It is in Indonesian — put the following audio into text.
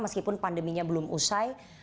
meskipun pandeminya belum usai